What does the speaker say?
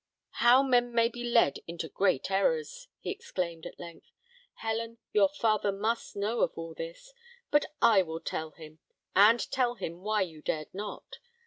"How men may be led into great errors!" he exclaimed at length. "Helen, your father must know of all this; but I will tell him, and tell him why you dared not.